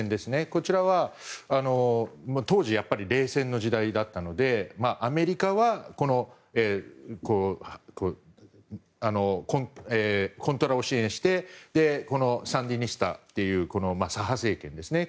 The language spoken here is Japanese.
こちらは当時やはり冷戦の時代だったのでアメリカはコントラを支援してサンディニスタという左派政権ですね。